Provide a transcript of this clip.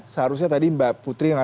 seharusnya tadi mbak putri